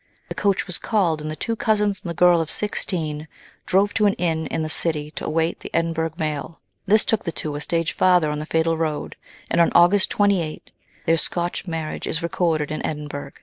The coach was called, and the two cousins and the girl of sixteen drove to an inn in the city to await the Edinburgh mail. This took the two a stage farther on the fatal road, and on August 28 their Scotch marriage is recorded in Edinburgh.